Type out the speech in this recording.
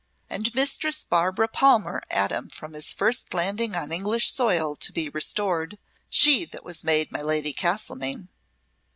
And Mistress Barbara Palmer at him from his first landing on English soil to be restored she that was made my Lady Castlemaine."